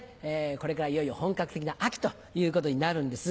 これからいよいよ本格的な秋ということになるんですが。